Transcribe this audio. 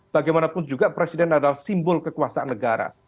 bagaimanapun juga presiden adalah simbol kekuasaan negara